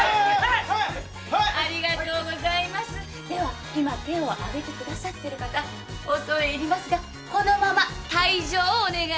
では今手を挙げてくださってる方恐れ入りますがこのまま退場をお願いします。